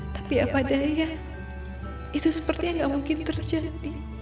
tapi apa daya itu sepertinya gak mungkin terjadi